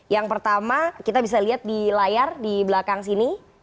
yang pertama kita bisa lihat di layar di belakang sini